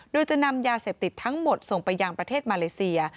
โดยจะนำยาเสพติดทั้งหมดส่งไปยังประเทศมาเลเซีย